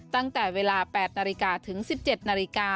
ตั้งแต่เวลา๘นถึง๑๗น